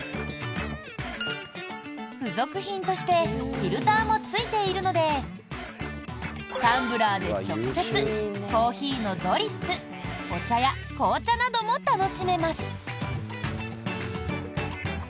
付属品としてフィルターもついているのでタンブラーで直接コーヒーのドリップお茶や紅茶なども楽しめます。